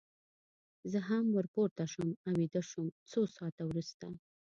زه هم ور پورته شوم او ویده شوم، څو ساعته وروسته.